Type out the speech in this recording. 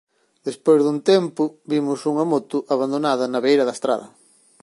Despois dun tempo vimos unha moto abandonada na beira da estrada.